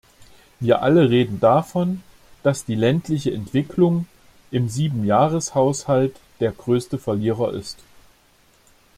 Wir alle reden davon, dass die ländliche Entwicklung im Siebenjahreshaushalt der größte Verlierer ist.